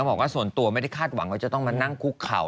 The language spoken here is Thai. บอกว่าส่วนตัวไม่ได้คาดหวังว่าจะต้องมานั่งคุกเข่า